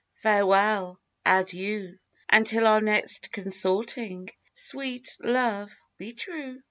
Farewell! adieu! Until our next consorting! Sweet love, be true!